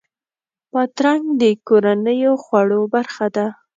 بادرنګ د کورنیو خوړو برخه ده.